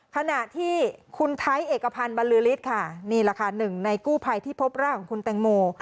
ขณะที่คุณไทยเอกพันธ์บรรลือฤทธิ์ค่ะนี่แหละค่ะหนึ่งในกู้ภัยที่พบร่างของคุณแตงโม